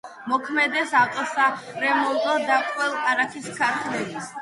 მოქმედებს ავტოსარემონტო და ყველ-კარაქის ქარხნები.